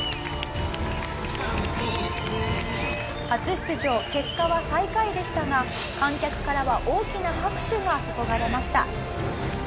初出場結果は最下位でしたが観客からは大きな拍手が注がれました。